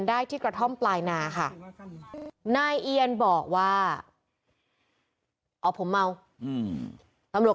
โดนฟันเละเลย